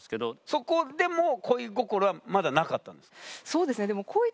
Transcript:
そこでも恋心はまだなかったんですか？